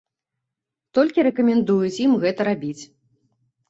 Толькі рэкамендуюць ім гэта рабіць.